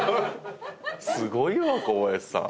すごいわ小林さん。